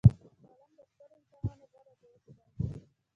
قلم د سترو انسانانو غوره دوست دی